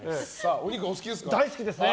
お肉、お好きですか？